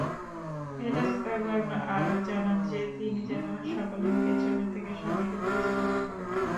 ফেরেশতাগণ আরও জানান যে, তিনি যেন সকলের পেছনে থেকে সবাইকে পরিচালনা করেন।